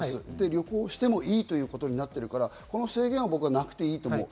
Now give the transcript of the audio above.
旅行してもいいということになっていますから、制限はなくていいと思う。